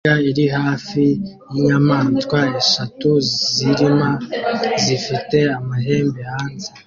Imbwa iri hafi yinyamaswa eshatu zirima zifite amahembe hanze